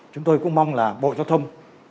chúng tôi cũng mong là bộ giao thông